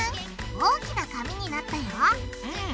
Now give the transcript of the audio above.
大きな紙になったよ！